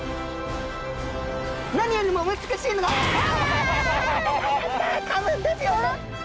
何よりも難しいのが噛むんですよ！